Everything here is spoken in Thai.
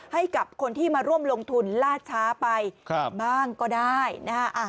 ให้กับคนที่มาร่วมลงทุนล่าช้าไปบ้างก็ได้นะฮะ